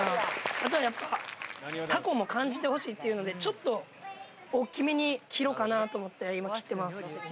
あとはやっぱ、タコも感じてほしいっていうので、ちょっと大きめに切ろうかなと思って、今、切ってます。